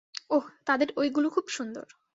ওহ, তাদের ঐগুলো খুব সুন্দর।